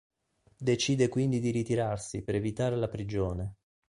Decide quindi di ritirarsi per evitare la prigione.